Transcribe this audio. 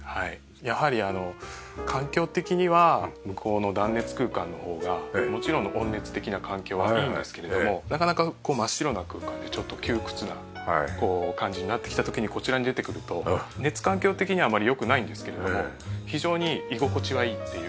やはりあの環境的には向こうの断熱空間の方がもちろん温熱的な環境はいいんですけれどもなかなか真っ白な空間でちょっと窮屈な感じになってきた時にこちらに出てくると熱環境的にはあまり良くないんですけれども非常に居心地はいいっていう。